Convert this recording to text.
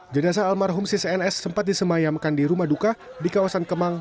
jendasa almarhum si cns sempat disemayamkan di rumah duka di kawasan kemang